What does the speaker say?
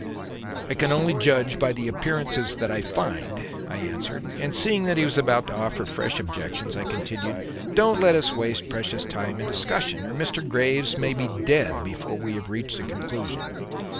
"I can only judge by the appearances that I find," I answered; and, seeing that he was about to offer fresh objections, I continued: "Don't let us waste precious time in discussion, or Mr. Graves may be dead before we have reached a conclusion.